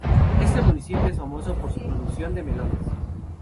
Este municipio es famoso por su producción de melones.